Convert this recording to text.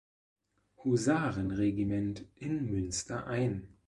Husarenregiment in Münster ein.